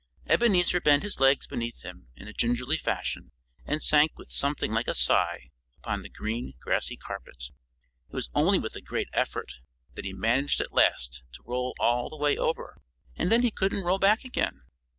Ebenezer bent his legs beneath him in a gingerly fashion and sank with something like a sigh upon the green, grassy carpet. It was only with a great effort that he managed at last to roll all the way over; and then he couldn't roll back again.